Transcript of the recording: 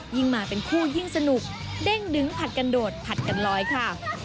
ยิ่งมาเป็นคู่ยิ่งสนุกเด้งดึงผัดกันโดดผัดกันลอยค่ะ